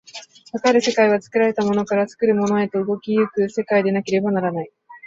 かかる世界は作られたものから作るものへと動き行く世界でなければならない。